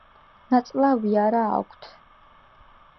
ნაწლავი არა აქვთ.